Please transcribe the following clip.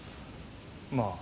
まあ。